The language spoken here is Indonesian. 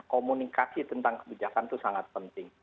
komunikasi tentang kebijakan itu sangat penting